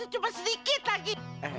cuma sedikit lagi